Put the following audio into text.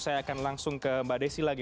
saya akan langsung ke mbak desi lagi